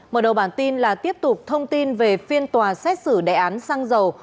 mở đầu bản tin là tiếp tục thông tin về phiên tòa xét xử đề án xăng dầu